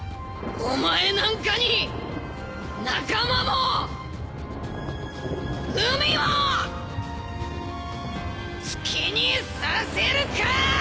お前なんかに仲間も海も好きにさせるかアアア！